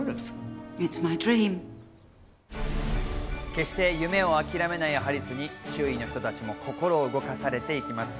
決して夢を諦めないハリスに周囲の人たちも心を動かされていきます。